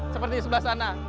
seperti di sebelah sana